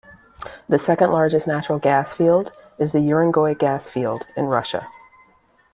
The second largest natural gas field is the Urengoy gas field in Russia.